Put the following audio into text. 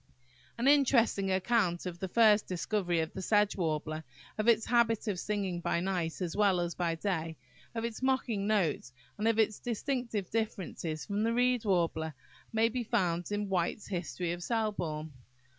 An interesting account of the first discovery of the Sedge Warbler, of its habit of singing by night as well as by day, of its mocking notes, and of its distinctive differences from the Reed Warbler, may be found in Whites' History of Selborne.